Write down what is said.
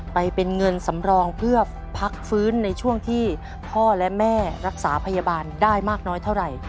ไปเป็นเงินสำรองเพื่อพักฟื้นในช่วงที่พ่อและแม่รักษาพยาบาลได้มากน้อยเท่าไหร่